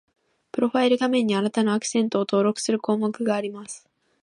プロファイル画面に、あなたのアクセントを登録する項目があります